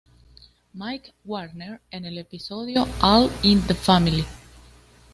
Mike Warner en el episodio "All in the Family".